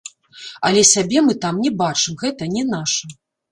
Але сябе мы там не бачым, гэта не наша.